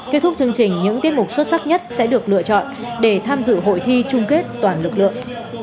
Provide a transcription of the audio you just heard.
kết thúc chương trình những tiết mục xuất sắc nhất sẽ được lựa chọn để tham dự hội thi trung kết toàn lực lượng